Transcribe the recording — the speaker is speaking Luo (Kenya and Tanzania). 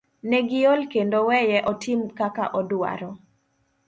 Ne giol kendo weye otim kaka odwaro.